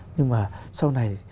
nhưng mà sau này